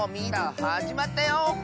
はじまったよ！